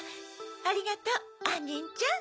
ありがとうあんにんちゃん。